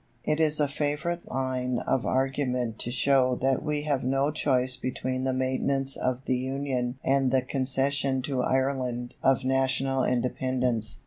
It is a favourite line of argument to show that we have no choice between the maintenance of the Union and the concession to Ireland of national independence.